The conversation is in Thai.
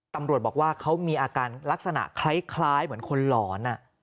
ตำรวจบอกว่าเขามีอาการลักษณะคล้ายเหมือนคนหลอน